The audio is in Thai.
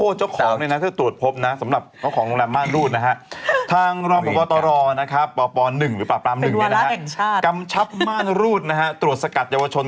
ศูนย์ประการมาสคบุชาเน้นกว่าล้างเหล้าและก็ปืน